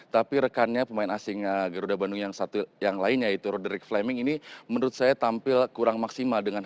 tapi rekannya pemain asing garuda bandung yang lainnya yaitu roderick flamming ini menurut saya tampil kurang maksimal